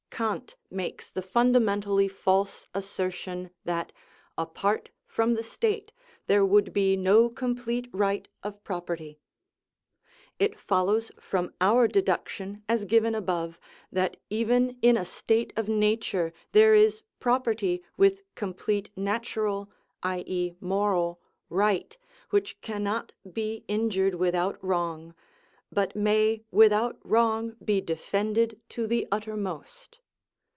Kant makes the fundamentally false assertion that apart from the state there would be no complete right of property. It follows from our deduction, as given above, that even in a state of nature there is property with complete natural, i.e., moral right, which cannot be injured without wrong, but may without wrong be defended to the uttermost.